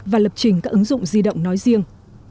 và lập trình các ứng dụng di động nói riêng